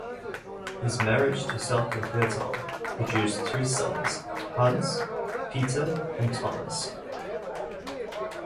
His marriage to Salka Viertel produced three sons: Hans, Peter and Thomas.